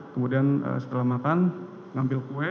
kemudian setelah makan ngambil kue